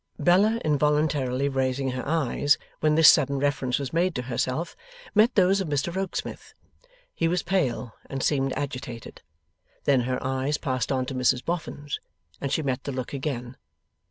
Bella involuntarily raising her eyes, when this sudden reference was made to herself, met those of Mr Rokesmith. He was pale and seemed agitated. Then her eyes passed on to Mrs Boffin's, and she met the look again.